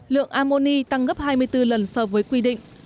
lượng amoni tăng gấp hai mươi bốn lần so với quy định